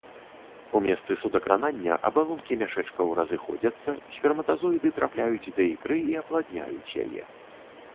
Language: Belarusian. У месцы судакранання абалонкі мяшэчкаў разыходзяцца, сперматазоіды трапляюць да ікры і апладняюць яе.